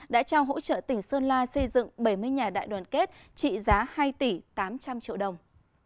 đã trao hỗ trợ tỉnh sơn la xây dựng bảy mươi nhà đại đoàn kết trị giá hai tỷ tám trăm linh triệu đồng